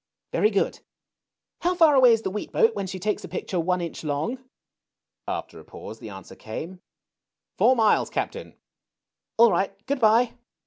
^^Very good. How far away is the wheat boat when she takes a picture one inch long ?'' After a pause the answer came : Four miles, Cap tain.'' All right. Good by."